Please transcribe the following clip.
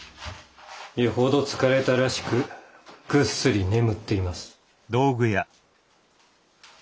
よほど疲れたらしくぐっすり眠っています。